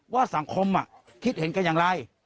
ว่าสังคมคิดเห็นกันอย่างไร